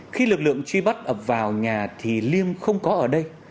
khi lực lượng truy bắt ập vào nhà thì liêm không có ở đây